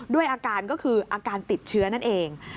ด้วยอาการก็คืออาการติดเชื้อนั่นเอง